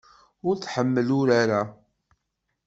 Ur tḥemmel urar-a.